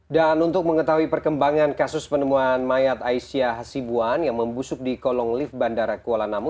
dan untuk mengetahui perkembangan kasus penemuan mayat aisyah sibuan yang membusuk di kolong lift bandara kuala namu